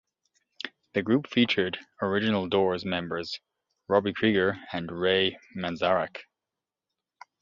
The group featured original Doors members Robby Krieger and Ray Manzarek.